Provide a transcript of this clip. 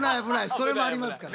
それもありますから。